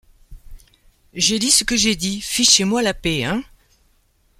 J’ai dit ce que j’ai dit, fichez-moi la paix, hein !...